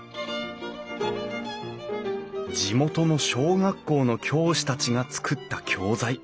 地元の小学校の教師たちが作った教材。